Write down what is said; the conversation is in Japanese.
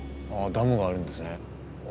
ダムがあるんです。